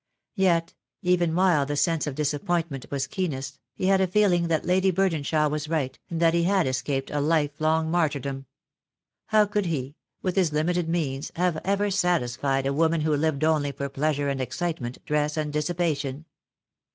Yet, even while the sense of disappointment was keenest, he had a feel ing that Lady Burdenshaw was right, and that he had escaped a lifelong martyrdom. How could he, with his limited means, have ever satisfied a woman who lived only for pleasure and excitement, dress and dissipation?